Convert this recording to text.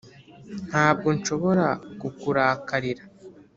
ntabwo nshobora kukurakarira.